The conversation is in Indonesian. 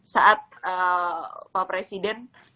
saat pak presiden